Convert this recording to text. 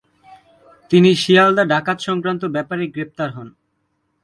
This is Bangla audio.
তিনি শিয়ালদা ডাকাতি সংক্রান্ত ব্যাপারে গ্রেপ্তার হন।